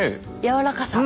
柔らかさ。